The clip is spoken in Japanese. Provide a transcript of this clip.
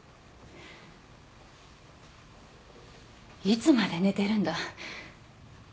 いつまで寝てるんだ。